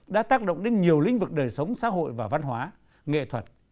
đã tác động đến nhiều lĩnh vực đời sống xã hội và văn hóa nghệ thuật